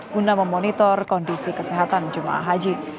guna memonitor kondisi kesehatan jemaah haji